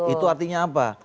itu artinya apa